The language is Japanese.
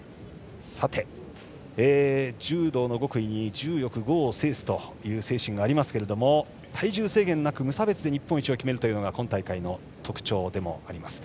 柔道の極意に、柔よく剛を制すという精神がありますが体重制限なく無差別で日本一を決めるのが今大会の特徴でもあります。